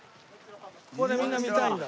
ここでみんな見たいんだ。